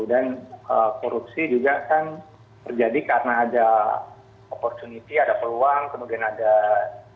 dan korupsi juga kan terjadi karena ada opportunity ada peluang kemudian ada kesempatan gitu ya